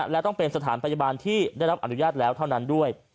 และต้องเป็นสถานพยาบาลที่ได้รับอนุญาตแล้วเท่านั้นด้วย